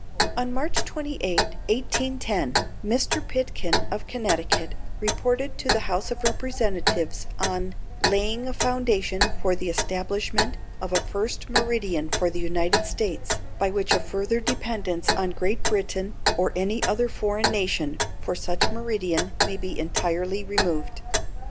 On March 28, 1810, Mr. Pitkin, of Connecticut, reported to the House of Representatives on "laying a foundation for the establishment of a first meridian for the United States, by which a further dependence on Great Britain or any other foreign nation for such meridian may be entirely removed."